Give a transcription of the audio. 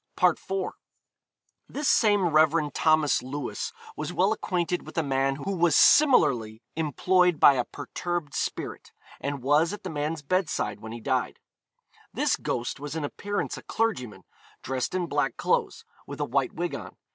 IV. This same Rev. Thomas Lewis was well acquainted with a man who was similarly employed by a perturbed spirit, and was at the man's bedside when he died. This ghost was in appearance a clergyman, dressed in black clothes, with a white wig on.